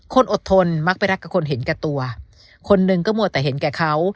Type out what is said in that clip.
อดทนมักไปรักกับคนเห็นแก่ตัวคนหนึ่งก็มัวแต่เห็นแก่เขา